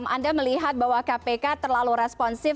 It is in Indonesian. anda melihat bahwa kpk terlalu responsif